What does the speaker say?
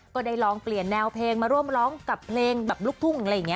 ก็ได้ลองเปลี่ยนแนวเพลงมาร่วมร้องกับเพลงแบบลูกทุ่งอะไรอย่างนี้